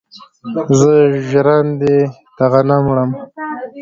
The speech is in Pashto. زه ژرندې ته غنم وړم.